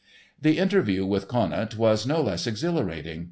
The interview with Conant was no less exhilarating.